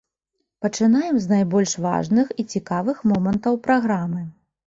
Пачынаем з найбольш важных і цікавых момантаў праграмы.